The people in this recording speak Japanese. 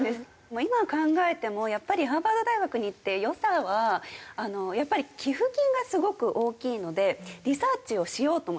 今考えてもやっぱりハーバード大学に行って良さはやっぱり寄付金がすごく大きいのでリサーチをしようと思う。